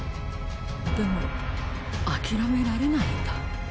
でもあきらめられないんだ。